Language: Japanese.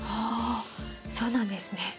あそうなんですね。